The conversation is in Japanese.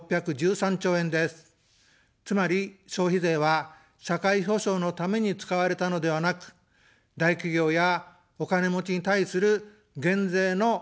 つまり、消費税は社会保障のために使われたのではなく、大企業やお金持ちに対する減税の穴埋めに使われたのです。